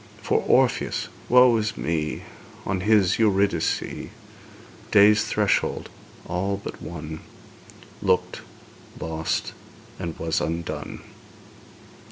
For Orpheus woe is me! On his Eurydice Day's threshold all but won Looked, lost, and was undone!